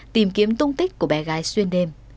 tìm kiếm tung tích của bé gái xuyên đêm